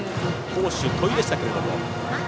好守、戸井でしたけども。